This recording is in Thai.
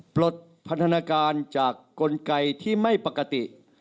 ปลดพันธนาการจากกลไกที่ไม่ปกติ